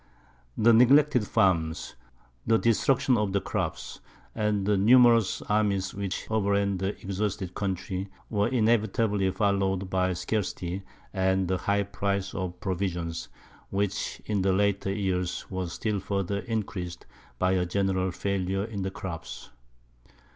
The neglected farms, the destruction of the crops, and the numerous armies which overran the exhausted country, were inevitably followed by scarcity and the high price of provisions, which in the later years was still further increased by a general failure in the crops.